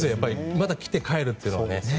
また来て帰るというのは。